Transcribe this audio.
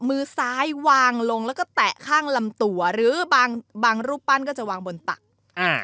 มือซ้ายวางลงแล้วก็แตะข้างลำตัวหรือบางบางรูปปั้นก็จะวางบนตักอ่า